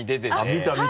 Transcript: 見た見た！